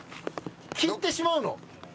切ってしまうの？